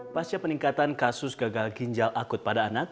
pasca peningkatan kasus gagal ginjal akut pada anak